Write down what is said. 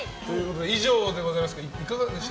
以上でございますがいかがでした？